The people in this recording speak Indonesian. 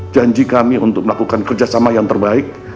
janji kami untuk melakukan kerjasama yang terbaik